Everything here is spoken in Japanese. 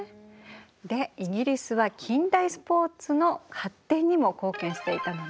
でイギリスは近代スポーツの発展にも貢献していたのね。